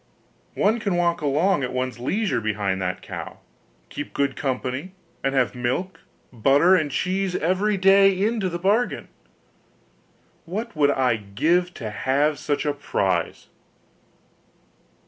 One can walk along at one's leisure behind that cow keep good company, and have milk, butter, and cheese, every day, into the bargain. What would I give to have such a prize!